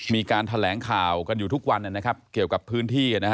มีการแถลงข่าวกันอยู่ทุกวันนะครับเกี่ยวกับพื้นที่